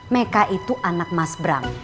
mereka itu anak mas bram